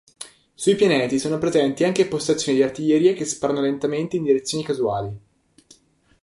Sui pianeti sono presenti anche postazioni di artiglieria che sparano lentamente in direzioni casuali.